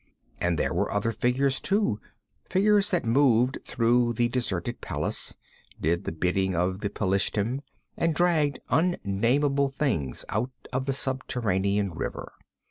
And there were other figures, too figures that moved through the deserted palace, did the bidding of the Pelishtim, and dragged unnamable things out of the subterranean river.